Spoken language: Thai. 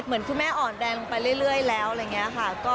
เหมือนคุณแม่อ่อนแดงลงไปเรื่อยแล้วอะไรอย่างนี้ค่ะ